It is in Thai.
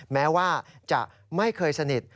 แม้ว่าจะไม่เคยสนิท